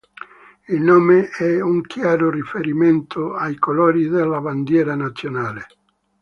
Il nome è un chiaro riferimento ai colori della bandiera nazionale.